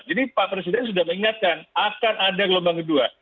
jadi pak presiden sudah mengingatkan akan ada gelombang kedua